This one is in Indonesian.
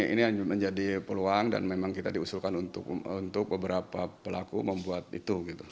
ini menjadi peluang dan memang kita diusulkan untuk beberapa pelaku membuat itu